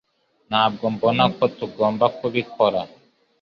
Ntabwo mbona ko tugomba kubikora